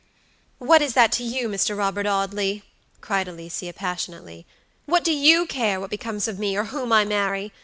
"What is that to you, Mr. Robert Audley?" cried Alicia, passionately. "What do you care what becomes of me, or whom I marry?